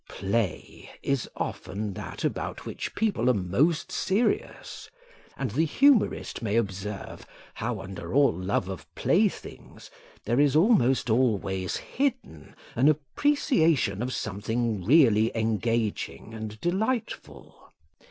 Play is often that about which people are most serious; and the humourist may observe how, under all love of playthings, there is almost always hidden an appreciation of something really engaging and delightful.